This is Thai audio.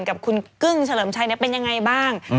กับคุณกึ้งเฉลิมชัยเป็นยังไงบ้าง